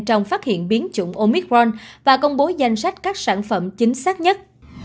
trong phát hiện biến chủng omicron và công bố danh sách các sản phẩm chính xác nhất